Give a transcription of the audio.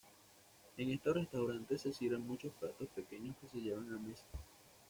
En estos restaurantes se sirven muchos platos pequeños que se llevan a mesa.